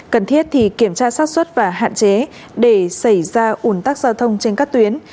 cần thiết thì kiểm tra sát xuất và hạn chế để xảy ra ủn tắc giao thông trên các tuyến